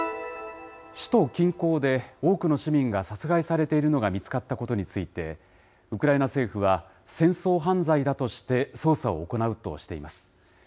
首都近郊で多くの市民が殺害されているのが見つかったことについて、ウクライナ政府は、戦争犯罪だとして、捜査を行うとしています。